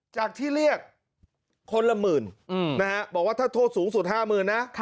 จากที่เรียกคนละหมื่นบอกว่าถ้าโทษสูงสุด๕๐๐๐นะ